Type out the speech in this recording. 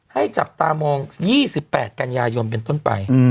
จับตามอง๒๘กันยายนเป็นต้นไป